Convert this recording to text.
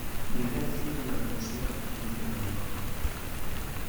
Ils réaffirment leur attachement à la cause de l'indépendance.